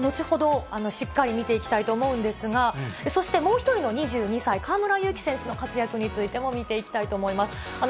このあたりちょっと後ほど、しっかり見ていきたいと思うんですが、そして、もう１人の２２歳、河村勇輝選手の活躍についても見ていきたいと思います。